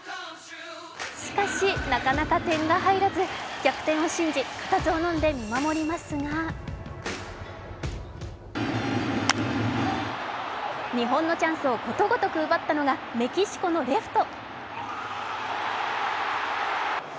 しかし、なかなか点が入らず、逆転を信じ固唾をのんで見守りますが日本のチャンスをことごとく奪ったのが、メキシコのレフト。